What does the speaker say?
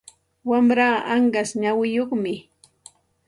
Wamraa anqas nawiyuqmi.